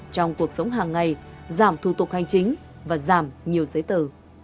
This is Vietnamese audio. trong cuộc sống hàng ngày giảm thủ tục hành chính và giảm nhiều giấy tờ